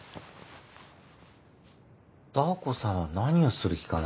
ダー子さんは何をする気かな？